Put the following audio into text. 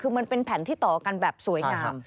คือมันเป็นแผ่นที่ต่อกันแบบสวยงาม